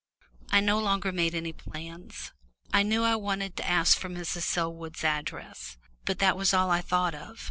I no longer made any plans. I knew I wanted to ask for Mrs. Selwood's address, but that was all I thought of.